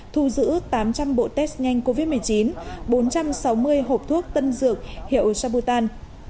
thu giữ tám trăm linh bộ test nhanh covid một mươi chín bốn trăm sáu mươi hộp thuốc tân dược hiệu sabutan